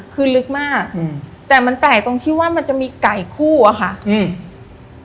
คือลึกมากอืมแต่มันแปลกตรงที่ว่ามันจะมีไก่คู่อะค่ะอืม